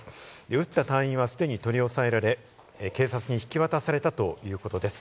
撃った隊員は既に取り押さえられ、警察に引き渡されたということです。